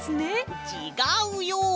ちがうよ！